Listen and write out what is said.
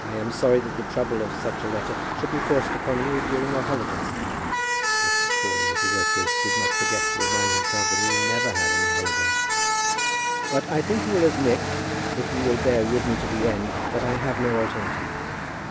I am sorry that the trouble of such a letter should be forced upon you during your holidays; Mr. Crawley, as he wrote this, did not forget to remind himself that he never had any holidays; but I think you will admit, if you will bear with me to the end, that I have no alternative.